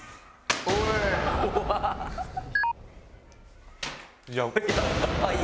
おい！